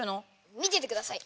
見ててください。